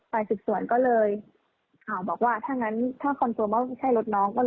ไปศึกษวนก็เลยข่าวบอกว่าถ้านั้นถ้าคนตัวไม่ใช่รถน้อง